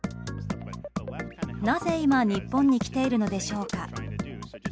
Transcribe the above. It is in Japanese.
なぜ今、日本に来ているのでしょうか。